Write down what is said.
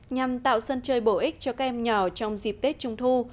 nhằm tạo sân chơi bổ ích cho các em nhỏ trong dịp tết trung thu